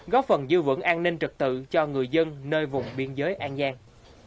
góp phần dư vững an ninh trật tự cho người dân nơi vùng biên giới an giang